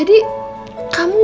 udah bangun dulu ya